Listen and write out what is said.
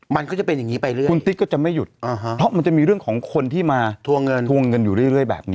มันก็จะเป็นอย่างนี้ไปเรื่อยคุณติ๊กก็จะไม่หยุดเพราะมันจะมีเรื่องของคนที่มาทวงเงินทวงเงินอยู่เรื่อยแบบนี้